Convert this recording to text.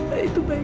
sampai jumpa lagi